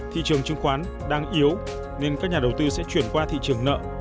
thị trường chứng khoán đang yếu nên các nhà đầu tư sẽ chuyển qua thị trường nợ